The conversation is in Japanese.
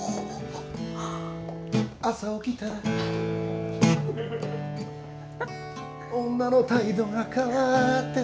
「朝起きたら」「女の態度が変わってた」